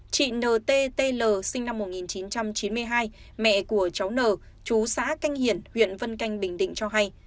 chị nttl sinh năm một nghìn chín trăm chín mươi hai mẹ của cháu n chú xã canh hiển huyện vân canh bình định cho hay